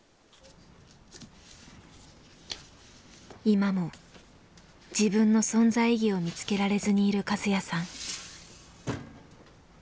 今も自分の存在意義を見つけられずにいるカズヤさん。